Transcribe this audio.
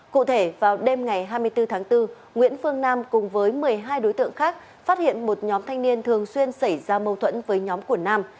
cụ thể vào đêm ngày hai mươi bốn tháng bốn nguyễn phương nam cùng với một mươi hai đối tượng khác phát hiện một nhóm thanh niên thường xuyên xảy ra mâu thuẫn với nhóm của nam